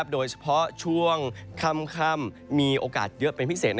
โดยเฉพาะช่วงค่ำมีโอกาสเยอะเป็นพิเศษ